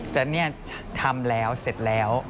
แต่ทำแล้วเสร็จแล้ว